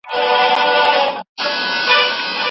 ایا افغان سوداګر شین ممیز پروسس کوي؟